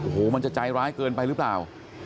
โอ้โหมันจะใจร้ายเกินไปหรือเปล่า